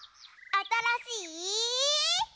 あたらしい！